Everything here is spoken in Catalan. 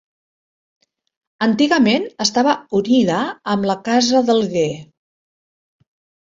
Antigament estava unida amb la Casa Delger.